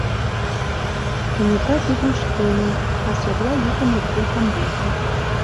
Кенета кид лушкеме, а сорла йӱкым лукде камвозо.